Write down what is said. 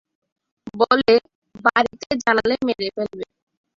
বলে, বাড়িতে জানালে মেরে ফেলবে।